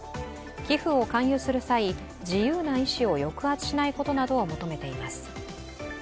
寄付を勧誘する際、自由な意思を抑圧しないことを求めています。